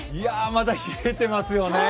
まだ冷えてますよね。